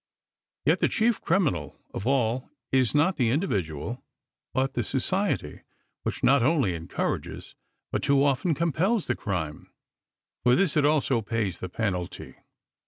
Yet the chief criminal of all is not the individual, but the Society which not only encourages, but too often compels the crime. For this it also pays the penalty.